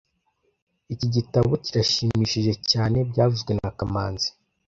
Iki gitabo kirashimishije cyane byavuzwe na kamanzi